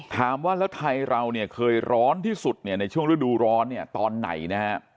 ถามว่าแล้วไทยเราเนี่ยเคยร้อนที่สุดเนี่ยในช่วงฤดูร้อนเนี่ยตอนไหนนะฮะ